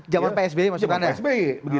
jaman psb masuk kan ya